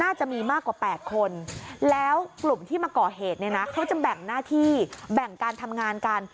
น่าจะมีมากกว่า๘คนแล้วกลุ่มที่มาก่อเหตุเนี่ยนะเขาจะแบ่งหน้าที่แบ่งการทำงานกัน